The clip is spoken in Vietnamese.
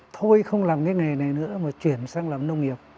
thôi không làm cái nghề này nữa mà chuyển sang làm nông nghiệp